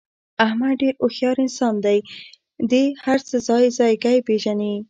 احمد ډېر هوښیار انسان دی. دې هر څه ځای ځایګی پېژني.